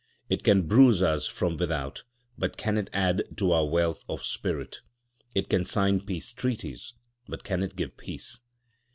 It can bruise us from without, but can it add to our wealth of spirit? It can sign peace treaties, but can it give peace?"